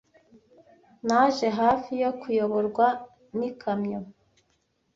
Naje hafi yo kuyoborwa n'ikamyo.